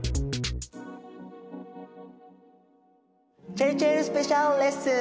ちぇるちぇるスペシャルレッスン。